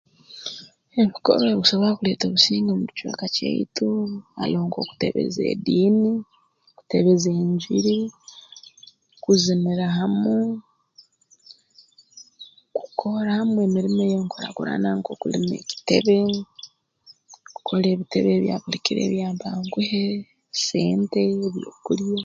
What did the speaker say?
Enkora eyeekusobora kuleeta obusinge omu kicweka kyaitu haroho nk'okuteebeza ediini kuteebeza enjiri kuzinira hamu kukora hamu emirimo ey'enkurakurana nk'okulima ekitebe kukora ebiteebe ebya buli kiro ebya mpa-nkuhe sente ebyokulya